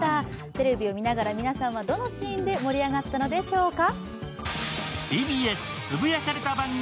テレビを見ながら皆さんはどのシーンで盛り上がったのでしょうか。